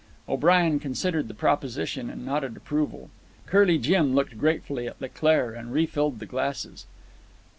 O'Brien considered the proposition and nodded approval. Curly Jim looked gratefully at Leclaire and refilled the glasses.